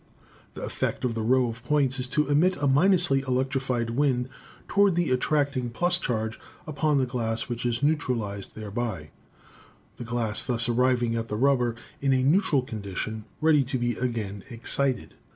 The effect of the row of points is to emit a — ly electrified wind toward the attracting j charge upon the glass, which is neutralized thereby; the glass thus arriving at the rubber in a neutral condition ready to be again excited.